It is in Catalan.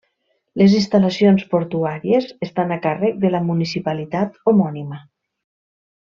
Les instal·lacions portuàries estan a càrrec de la Municipalitat homònima.